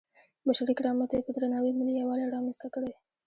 بشري کرامت ته یې په درناوي ملي یووالی رامنځته کړی.